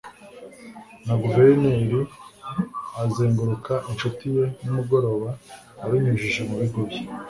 Na guverineri azenguruka inshuti ye nimugoroba abinyujije mu bigo bye